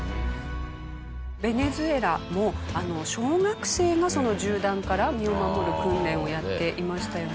ベネズエラも小学生が銃弾から身を守る訓練をやっていましたよね。